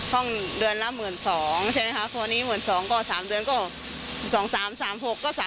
ห้องเดือนละ๑๒๐๐๐กว่านี้๑๒๓๓๖กว่า